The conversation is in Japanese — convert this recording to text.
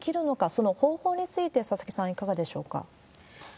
その方法について、佐々木さん、いかがでしょうか。